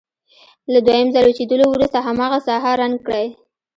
له دویم ځل وچېدلو وروسته هماغه ساحه رنګ کړئ.